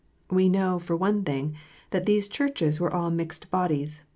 We know, for one thing, that these Churches were all mixed bodies.